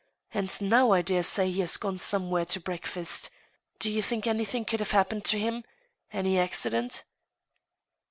... And now, I dare say, he has gone somewhere to break fast. ... Do you think anything could have happened to him? Any accident